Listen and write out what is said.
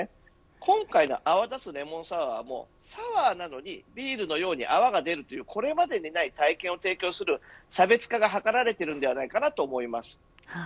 今回の泡立つレモンサワ―もサワ―なのにビールのような泡が出るこれまでにない体験を提供する差別化が図られていると思います。